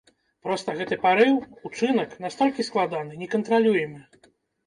Проста гэты парыў, учынак настолькі складаны, некантралюемы.